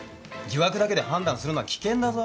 疑惑だけで判断するのは危険だぞ。